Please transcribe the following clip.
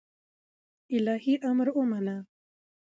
الهي امر ومانه